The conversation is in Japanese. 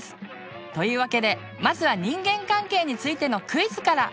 というわけでまずは人間関係についてのクイズから。